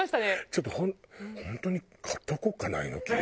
ちょっと本当に買っておこうかなエノキ。